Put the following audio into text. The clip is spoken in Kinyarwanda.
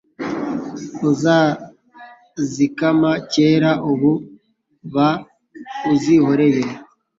Uzazikama kera ubu ba uzihoreye